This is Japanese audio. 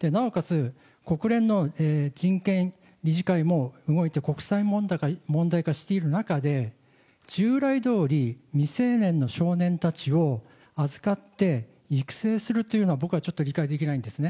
で、なおかつ、国連の人権理事会も動いて、国際問題化している中で、従来どおり未成年の少年たちを預かって、育成するというのは、僕はちょっと理解できないんですね。